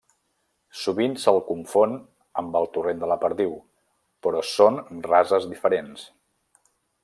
Sovint se'l confon amb el torrent de la Perdiu però són rases diferents.